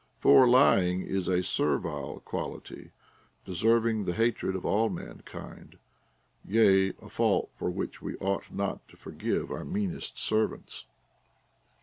For lying is a servile quality, deserving the hatred of all mankind ; yea, a fault for which we ought not to forgive our meanest servants.